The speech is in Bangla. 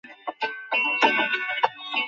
তোমাকে নিয়ে না আমি নিজেকে নিয়েই হাসতেছি।